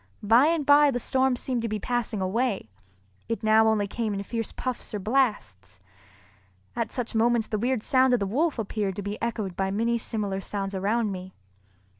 By and by the storm seemed to be passing away, it now only came in fierce puffs or blasts. At such moments the weird sound of the wolf appeared to be echoed by many similar sounds around me.